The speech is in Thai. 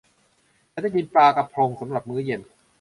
ฉันจะกินปลากระพงสำหรับมื้อเย็น